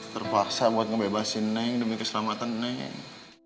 terpaksa buat ngebebasin neng demi keselamatan neng